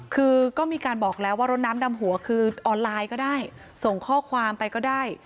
คือก็มีการบอกแล้วว่ารถน้ำดำหัวคือออนไลน์ก็ได้ส่งข้อความไปก็ได้